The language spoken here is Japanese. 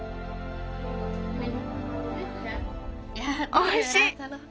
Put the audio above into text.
おいしい！